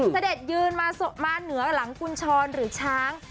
เสด็จยืนมาเหนือหลังกุญชรหรือช้าง